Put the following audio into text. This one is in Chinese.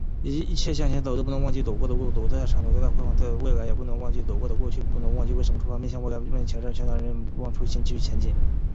一切向前走，都不能忘记走过的路；走得再远、走到再光辉的未来，也不能忘记走过的过去，不能忘记为什么出发。面向未来，面对挑战，全党同志一定要不忘初心、继续前进。